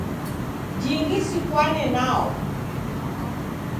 Jingi sipwane nao.